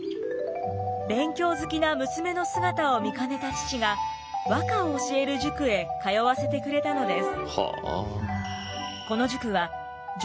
勉強好きな娘の姿を見かねた父が和歌を教える塾へ通わせてくれたのです。